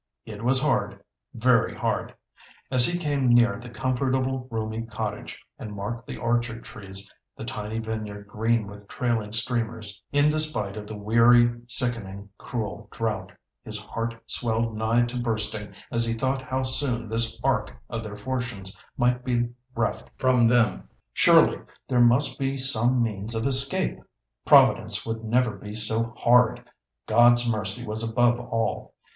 It was hard very hard! As he came near the comfortable, roomy cottage, and marked the orchard trees, the tiny vineyard green with trailing streamers in despite of the weary, sickening, cruel drought, his heart swelled nigh to bursting as he thought how soon this ark of their fortunes might be reft from them. Surely there must be some means of escape! Providence would never be so hard! God's mercy was above all.